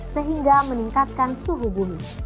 sehingga meningkatkan suhu bumi